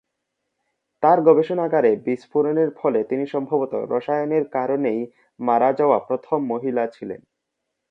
তার গবেষণাগারে বিস্ফোরণের ফলে তিনি সম্ভবত "রসায়নের কারণেই মারা যাওয়া প্রথম মহিলা" ছিলেন।